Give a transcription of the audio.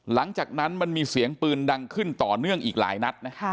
หลังจากนั้นมันมีเสียงปืนดังขึ้นต่อเนื่องอีกหลายนัด